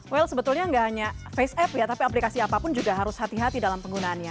well sebetulnya nggak hanya face app ya tapi aplikasi apapun juga harus hati hati dalam penggunaannya